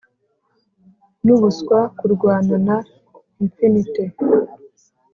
nubuswa kurwana na infinite,